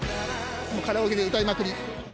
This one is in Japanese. カラオケで歌いまくり。